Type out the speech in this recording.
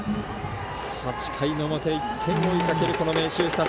８回の表、１点追いかける明秀日立。